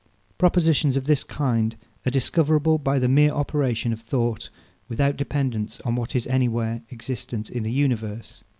Propositions of this kind are discoverable by the mere operation of thought, without dependence on what is anywhere existent in the universe.